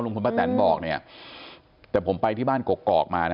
ลุงพลป้าแตนบอกแต่ผมไปที่บ้านกอกมานะ